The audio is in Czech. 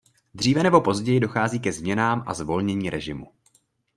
Dříve nebo později dochází ke změnám a zvolnění režimu.